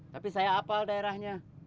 tapi saya apal daerahnya